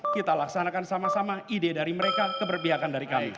kita laksanakan sama sama ide dari mereka keberpihakan dari kami